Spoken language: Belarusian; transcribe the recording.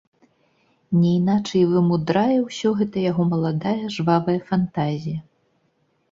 Не іначай вымудрае ўсё гэта яго маладая жвавая фантазія.